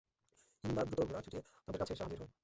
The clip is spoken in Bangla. হিন্দা দ্রুত ঘোড়া ছুটিয়ে তাদের কাছে এসে হাজির হয়।